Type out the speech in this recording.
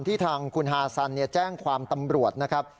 ที่ทางคุณฮาซันแจ้งความตำรวจนะครับ